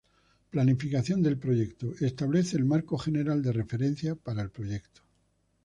Planificación del Proyecto.- establece el marco general de referencia para el proyecto.